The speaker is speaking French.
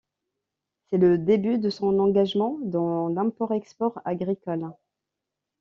C'est le début de son engagement dans l'import-export agricole.